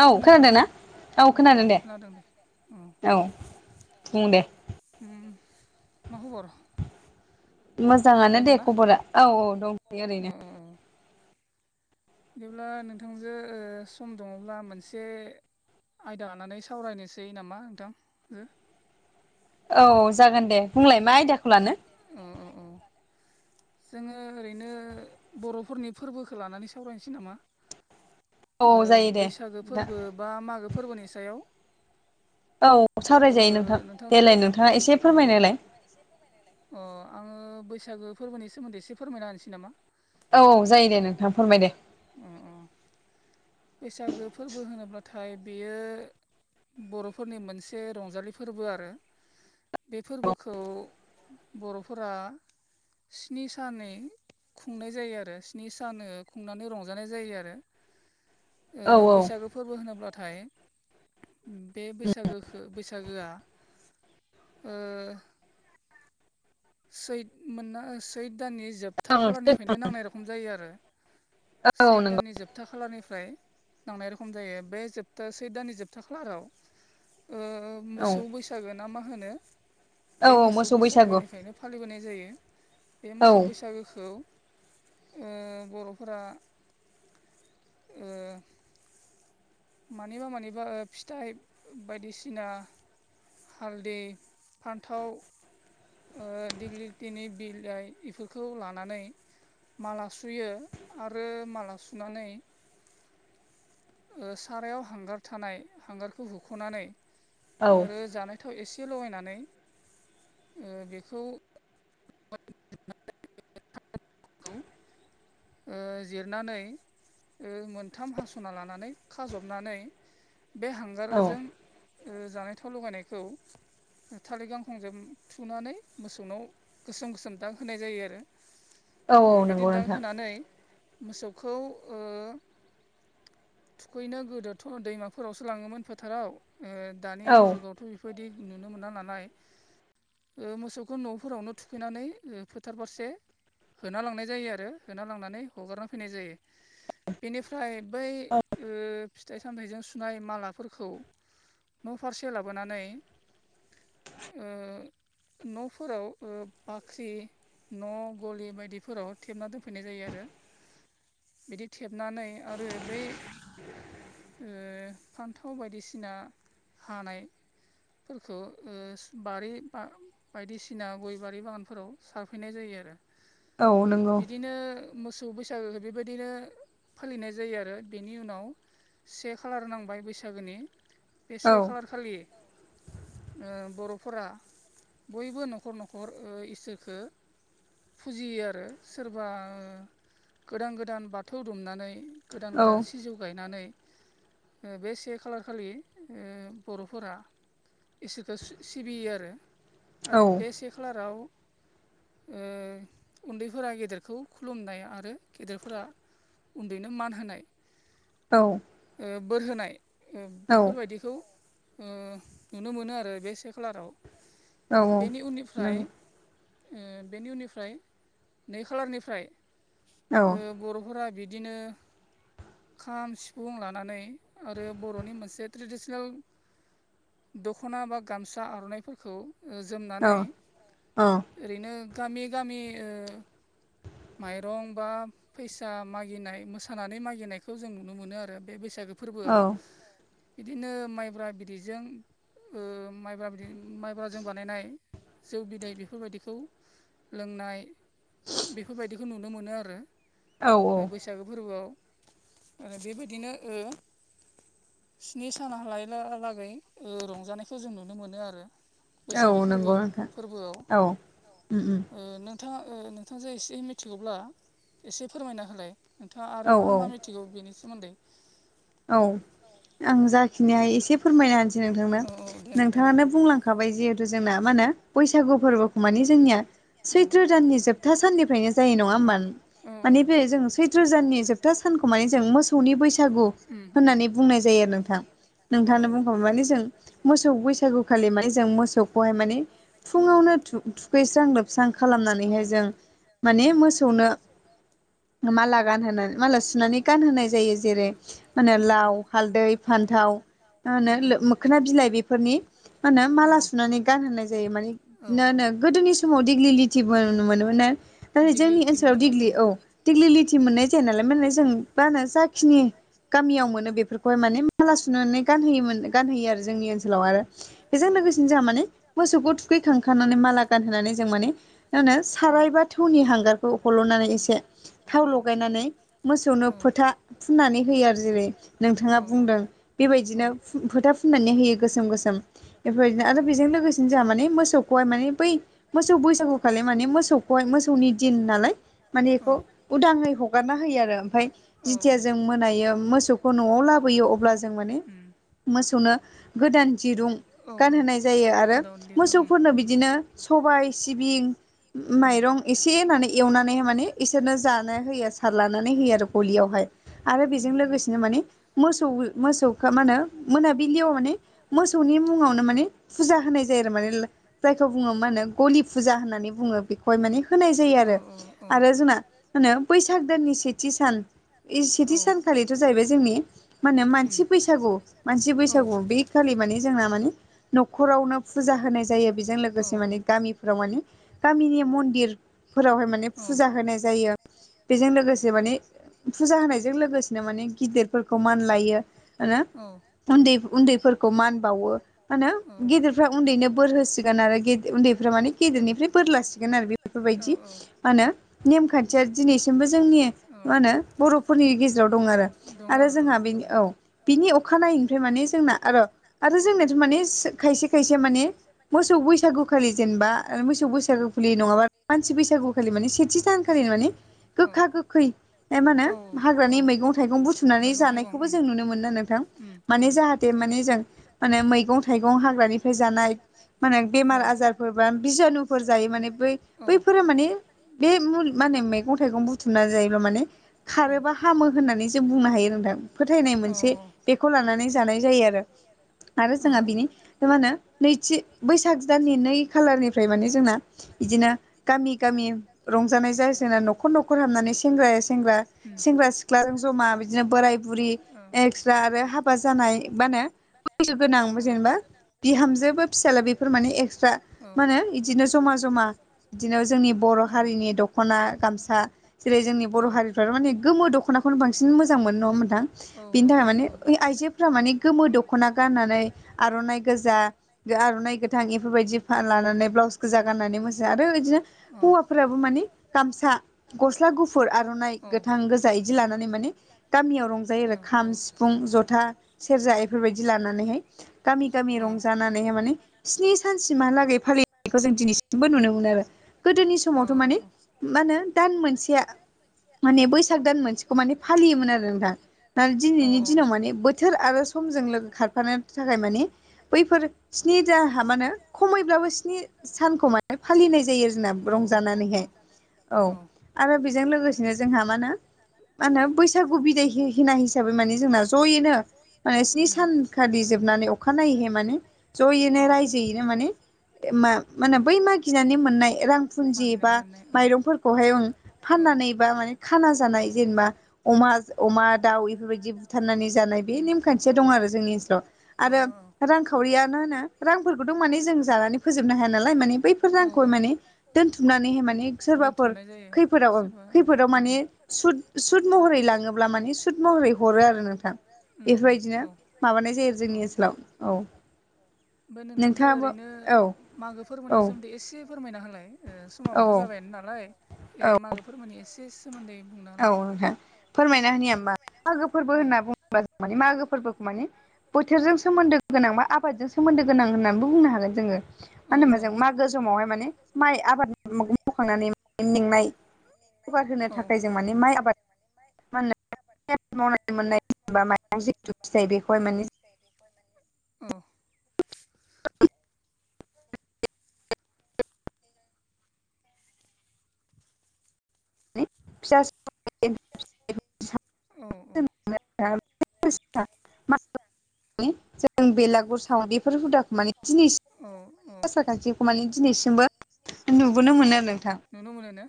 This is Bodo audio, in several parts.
औ खोनादों खोनादोंनाा ना औ औ खोनादों औ बुं दे मा खबर मोजाङानो मोजाङै दे दंना औ खबरा औ औ दंसै औ ओरैनो औ बिदिब्ला नोंथांजो सम दङब्ला मोनसे आयदा लानानै सावरायनोसै नामा नोंथां औ जागोन दे बुंलाय मा आयदयाखौ लानो ओ ओ ओ जोङो ओरैनो बर'फोरनि फोरबोखौ लानानै सावरायनोसै नामा औ जायो दे बैसागो नोंथां फोरबो बा मागो फोरबोनि सायाव औ सावरायजायो नोंथां नोंथांजो देलाय नोंथाङा एसे फोरमायनायलाय अ आङो बैसागो फोरबोनि सोमोन्दै एसे फोरमायना होनसै नामा औ जायो दे नोंथां फोरमाय दे अ अ बैसागो फोरबो होनोब्लाथाय बेयो बर'फोरनि मोनसे रंजालि फोरबो आरो बे फोरबोखौ बर'फोरा स्नि सानै खुंनाय जायो आरो स्नि सान खुंनानै रंजानाय जायो आरो औ औ बैसागो फोरबो होनोब्लाथाय बे बैसागोखौ बैसागोआ सैत मोनना सैट दाननि जोब था खालारनिफ्रायनो नांनाय रखम जायो आरो औ सैद नंगौ दाननि जोब जोबथा खालारनिफ्राय नांनाय रखम जायो बे जोबथा सेैत दाननि जोबथा खालाराव औ मोसौ बैसागो ना मा होनो औ बे मोसौ बैसागु बैसागोनिफ्रायनो फालिबोनाय जायो बे औ मोसौ बैसागोखौ ओ बर'फोरा ओ मानिबा मानिबा फिथाइ बायदिसिना हालदै फान्थाव दिग्लि लिथिनि बिलाइ बेफोरखौ लानानै माला सुयो आरो माला सुनानै सारायाव हांगार थानाय हांगारखौ हुख'नानै औ जानाय थाव एसे लगायनानै बेखौ [unintelligible] [unintelligible] जिरनानै मोनथाम हास'ना लानानै खाजबनानै बे औ हांगारजों जानाय थाव लगायनायखौ थालिर गांखंजों थुनानै मोसौनाव गोसोम गोसोम दाग होनाय जायो औ आरो नंगौ बिदिनो दाग नोंथां होनानै मोसौखौ ओ थुखैनो गोदोथ' दैमाफोरावसो लाङोमोन फोथाराव दानि औ जुगाव थ' बेफोरबायदि नुनो मोना नालाय मोसौखौ न'फोरावनो थुखैनानै फोथार फारसे होना लांनाय जायो आरो होना लांनानै हगारना फैनाय जायो बेनिफ्राय बै फिथाइ सामथाइजों सुनाय मालाफोरखौ न' फारसे लाबोनानै ओ न'फोराव बाख्रि न' गलि बायदिफोराव थेबना दोनफैनाय जायो आरो बिदि थेबनानै आरो बै फान्थाव बायदिसिना हानाय फोरखौ बारि बा बायदिसिना गय बारि बागानफोराव सारफैनाय जायो आरो औ नंगौ बिदिनो मोसौ बैसागो बेबायदिनो फालिनाय जायो आरो बेनि उ उनाव से खालार नांबाय बैसागोनि बे औ से खालार खालि बर'फोरा बयबो न'खर न'खर इसोरखो फुजियो आरो सोरबा गोदान गोदान बाथौ दुमनानै गोदान औ गोदान सिजौ गायनानै बे से खालार खालि बर'फोरा इसोरखौ सिबियो आरो औ आरो बे से खालाराव उन्दैफोरा गेदेरखौ खुलुमनाय आरो गेदेरफोरा उन्दैनो मान होनाय औ बोर होनाय नंगौ बेफोरबायदिखौ नुनो मोनो आरो बे से खालाराव बेनि उननिफ्राय बेनि उननिफ्राय नै खालारनिफ्राय ओ बर'फोरा बिदिनो खाम सिफुं लानानै आरो बर'नि मोनसे ट्रेडिसनेल दखना बा गामसा आर'नाइफोरखौ औ जोमनानै औ ओरैनो गामि गामि माइरं बा फैसा मागिनाय मोसानानै मागिनाय खौ जों नुनो मोनो आरो बे बैसागो औ फोरबोआव बिदिनो माइब्रा बिदैजों माइब्रा बिदै माइब्राजों बानायनाय जौ बिदै बेफोरबायदिखौ लोंनाय बेफोरबायदिखौ नुनो मोनो आरो औ औ बैसागो फोरबोआव ओ बेबायदिनो ओ स्नि सान लायै लागै रंजानायखौ जों नुनो मोनो आरो बैसागो औ फोरबो नंगौ नोंथां फोरबोआव औ उम उम न नोंथाङा नोंथाङां जे एसे मिथिगौब्ला एसे फोरमायना होलाय नोंथाङा आरो औ मा मा मिथिगौ बेनि सोमोन्दै औ आं जाखिनि हायो एसे फोरमायना होनसै नोंथांनो औ औ देनाय देनाय औ नोंथाङानो बुंलां औ खाबाय जिहेथु जोंना मा होनो बैसागु फोरबोखौ मानिे जोंनिया सैथ्र' दाननि जोबथा साननिफ्रायनो जायो नङा होमब माने बे जों सैथ्र' दाननि जोबथा सानखौ माने जों मोसौनि बैसागु होननानै बुंनाय जायो आरो नोंथां औ औ नोंथाङा औ बुंखाबा माने जों मोसौ बैसागु खालि माने जों मोसौखौहाय माने फुङाव थु थु थुखैस्रां लोबस्रां खालामनानैहाय जों माने मोसौनो मा गानहोनाय माला सुनानै गानहोनाय जायो जेरै माहोनो मा लाव हालदै फान्थाव मा होनो मोखोना बिलाइ बेफोरनि मा होनो माला सुनानै गानहनाय जायो माने मा ना होनो ना गोदोनि समाव दिग्लि लिथि ब मोनोमोन ना नाथाय जोंनि लिथिबो ओनसोलाव मोनोमोननो दिग्लि औ दिेग्लिलिटि मोननाय जाया नालाय माने जों मा होनो जाखिनि गामियाव मोनो बेफोरखौहाय माने माला सुनानै गानहोयोमोन गानहोयो आरो जोंनि ओनसोलाव आरो बेजों जोंनि लोगोसेनो जों माने मोसौखौ थुखैखांनानै माला गानहोनानै जों माने मा होनो सारायबा थौनि हांगारखौ हल'नानै एसे थाव लगायनानै मोसौनो फोथा फुननानै होयो आरो जेरै नोंथाङा बुंदों बेबायदिनो फोथा फुननानै होयो गोसोम गोसोम बेफोरबायदिनो आरो बेजों ओमफ्रायनो लोगोसेनो जोंहा माने मोसौखौहाय माने बै मोसौ बैसागु खालि माने मोसौखौहाय मोसौनि दिन नालाय माने बेखौ उदाङै ह हगारना होयो आरो ओमफ्राय जिथिया ओमफ्राय जों मोनायो मोसौखौ न'आव लाबोयो अब्ला जों माने मोसौनो गोदान दिरुं गानहोनाय जायो माने आरो गानहोनाय मोसौफोरनो बिदिनो सबाय सिबिं उम माइरं एसे होनानै एवनानै माने इसोरनो जानो होयो लानानै होयो आरो गलियावहाय आरो बिजों उम जों उम लोगोसेनो माने मोसौ मोसौखो मा होनो मोनाबिलियाव माने मोसौनि मुंङावनो माने फुजा होनाय जायो आरो माने जायखौ बुङो मा होनो गलि फुजा होननानै बुङो बेखौहाय माने होनाय जायो आरो आरो जोंना होनो बैसाग दाननि सेथि सान बे सेथि सान खालिथ' जाहैबाय जोंनि मा होनो मानसि बैसागु मानसि बैसागु बे खालि माने जोंना मानि न'खरावनो फुजा होनाय जायो बेजों लोगोसे माने गामिफोराव माने गामिनि मन्दिरफोरावहाय माने फुजा होनाय जायो बेजों लोगोसे माने फुजा होनायजों लोगोसेनो माने गिदिर फोरखौ मान लायो उन्दै उन्दैफोरखौ मान बावो मानो आरो गेदेरफ्रा उन्दैनो बोर होसिगोन आरो बे उन्दैफ्रा माने गेदेरनिफ्राय बोर लासिगोन आरो बे बेफोर बायदि मा होनो नेमखान्थिया दिनैसिमबो जोंनि मा होनो बर'फोरनि गेजेराव जेराव दं आरो जोहा औ बिनि अखानायैनिफ्राय माने जोंना आरो जोंनियाथ' माने खायसे खायसेया माने मोसौ बैसागुखालि जेनेबा ओ मोसौ बैसागु खुलि नङाबा मानसि बैसागुखालि माने सेथि सानखालिनो माने औ मा गोखा गोखै ओ मा होनो हाग्रानि मैगं थाइगं बुथुमनानै जा थानायखौबो जों नुनो मोनो नोंथां मोनो माने नोंथां जाहाथे माने जों माने मैगं थाइगं हाग्रानिफ्राय जानाय माने बेमार आजारफोर बा बिजानुफोर जायो माने बै बेनि बैफोरो माने बे मु माने मैगं थाइगं बुथुमना जायोबा माने खारोबा हामो हो होननानै जों बुंनो हायो नोंथां फोथायनाय मोनसे बेखौ लानानै जानाय जायो आरो आरो जोंहा बिनि मा होनो नैथि बैसाग दाननि नै खालारनिफ्राय माने जोंना बिदिनो गामि गामि रंजानाय जायो जोंना न'खर न'खर हाबनानै सेंग्राया सेंग्रा सेंग्रा सिख्लाजों जमा बिदिनो बोराय बुर बुरि एक्स्रा आरो हाबा जानाय मानो बैसो गोनां जेनेबा खस्थ' बिहामजोबो फिसाला बेफोर माने एक्स्रा मा होनो बिदिनो जमा जमा बिदिनो जोंनि बर' हारिनि दखना गामसा जेरै जोंनि बर' हारिफ्रा माने गोमो दख'नाखौनो बांसिन मोजां मोनो नङा मोन नोंथां बिनि नङा थाखाय माने होमबा बेनि बे आइजोफ्रा माने गोमो दख'ना गाननानै आर'नाइ गोजा आर'नाइ गोथां इफोरबायदि फान लानानै ब्लाउस गोजा गाननानै मोसायो आरो बिदिनो हौवाफोराबो मानि गामसा गस्ला गुफुर आर'नाइ गोथां गोजा इदि लानानै माने गामियाव रंज जायो आरो खाम सिफुं जथा सेरजा इफोरबायदि लानानैहाय गामि गामि रंजानानैहाय माने स्नि सानसिमहालागै फालिनायखौ जों दिनैसिमबो नुनो मोनो आरो गोदोनि समावथ' माने मा होनो दान मोनसेया मोनसेया माने बैसाग दान मोनसेखौ माने फालियोमोन आरो नोंथां दा आरो दिनैनि दिनाव माने बोथोर आरो समजों लोगो खारफानो थाखाय मानि बैफोर स्नि दान हाब्लानो खमैब्लाबो स्नि सानखौ माने फालिनाय जायो आरोना रंजानानैहाय औ जायो जोंना रंजानानैहाय ओ आरो बेजों लोगोसे बिदनो जोंहा मा होनो मा होनो बैसागु बिदायहोनाय हिसाबै माने जोंना ज'यैनो माने स्नि सानखालि जोबनानै अखानायैहाय माने ज'यैनो रायजोयैनो माने मा मा होनो बै मागिनानै मोननाय रां फुन्जि बा माइरंफोरखौ ओंख्रि खौहाय फाननानै बा माने खाना जानाय जेनेबा अमा अमा दाउ इफोरबायदि बुथारनानै जानाय बे नेमखान्थिया दं आरो जोंनि ओनसोलाव आरो ओनसोलाव रांखावरियानो होनो रांफोरखौथ' माने जों जानानै फोजोबनो हाया नालाय माने बैफोर औ रांखौ औ माने दोनथुमनानैहाय माने सोरबाफोर दोनथुमनाय जायो खैफोदाव सोरबा ओं खैफोदाव उम माने सुद सुद महरै लाङोब्ला माने सुद महरै हरो आरो नोंथां उम उम इफोरबायदिनो औ माबानाय हरनाय जायो आरो जोंनि ओनसोलाव औ बे नोंथां जे नोंथाङाबो ओरैनो औ मागो फोरबोनि औ सोमोन्दै एसे फोरमायना हालाय ओ औ समाबोथ' औ जाबायानो नालाय औ ए मागो फोरबोनि एसे सोमोन्दै बुंना औ होलाय फोरमायना होनि आं होमबा मागो फोरबो होनना बुङोब्ला जों माने मागो फोरबोखौ माने बोथोरजों सोमोन्दो गोनां बा आबादजों सोमोन्दो गोनां होननानैबो बुंनो हागोन जोङो मा होनोमोन हागोन औ जों मागो समावहाय माने माइ आबाद मावखांनानै मेंनाय जौगाहोनो [unintelligible] थाखाय जों माने माइ आबाद मा होनो माइ आबाद मावनाय [unintelligible] मोननाय बा माइरं जिहेथु फिथाइ बेखौहाय माने [unintelligible] बेखौहाय माने औ [unintelligible] [inaudible] [unintelligible] [unintelligible] औ जों बेलागुर साव बेफोर हुदाखौ माने दिनैसिम आसार खान्थिखौ मानि दिनैसिमबो नुबोनो मोनो आरो नोंथां नुनो मोनो ना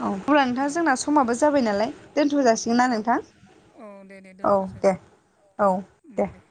औ अब्ला नोंथां औ जोंना समाबो जाबाय नालाय दोनथ' जासिगोना नालाय नोंथां औ औ दे दे औ दोनथ'सै दे जों औ उम दे